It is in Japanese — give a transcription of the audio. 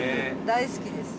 大好きです。